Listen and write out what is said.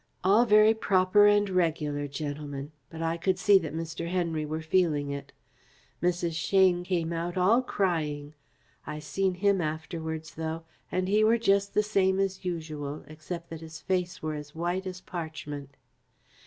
All very proper and regular, gentlemen, but I could see that Mr. Henry were feeling it. Mrs. Shane came out all crying. I seen him afterwards, though, and he were just the same as usual, except that his face were as white as parchment."